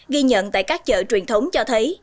ghi nhận tại các chợ truyền thống cho thấy